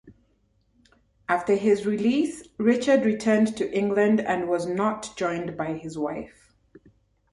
After his release, Richard returned to England and was not joined by his wife.